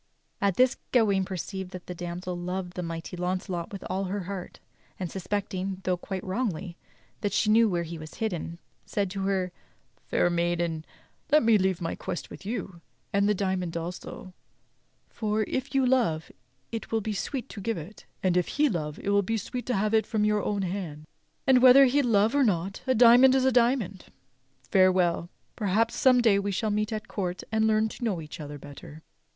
At this Gawain perceived that the damsel loved the mighty Launcelot with all her heart; and suspecting, though quite wrongly, that she knew where he was hidden, said to her: "Fair maiden, let me leave my quest with you; and the diamond also, for, if you love, it will be sweet to give it, and if he love it will be sweet to have it from your own hands, and whether he love or not, a diamond is a diamond. Farewell; perhaps some day we shall meet at court, and learn to know each other better."